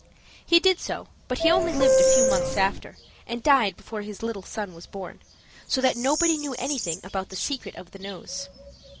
He did so, but he only lived a few months after, and died before his little son was born, so that nobody knew anything about the secret of the nose.